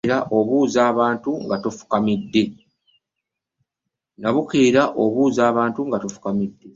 Nabukeera obuuza abantu nga tofukamidde!